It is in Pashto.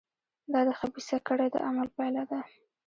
دا د خبیثه کړۍ د عمل پایله ده.